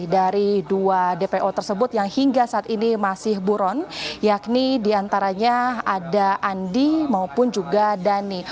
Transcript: dari dua dpo tersebut yang hingga saat ini masih buron yakni diantaranya ada andi maupun juga dhani